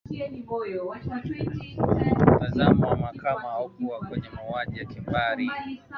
mtazamo wa mahakama haukuwa kwenye mauaji ya kimbari